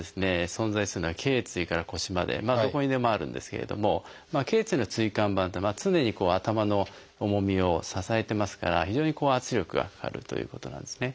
存在するのは頚椎から腰までどこにでもあるんですけれども頚椎の椎間板って常に頭の重みを支えてますから非常に圧力がかかるということなんですね。